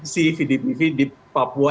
si vdpv di papua